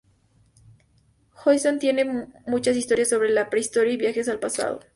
Hoshino tiene muchas historias sobre la prehistoria y viajes al pasado.